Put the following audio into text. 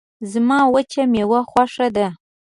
زما وچه میوه خوشه ده